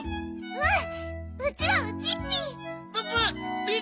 うん。